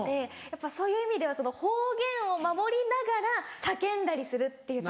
やっぱそういう意味では方言を守りながら叫んだりするっていう。